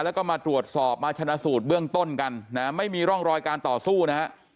แล้วก็มาตรวจสอบมาชนะสูตรเบื้องต้นกันนะฮะไม่มีร่องรอยการต่อสู้นะฮะ